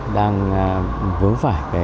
đang vướng phải cái